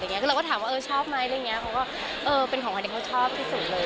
เราก็ถามว่าชอบไหมแดงงี้เขาก็เออเป็นของใดเขาชอบที่สุดเลย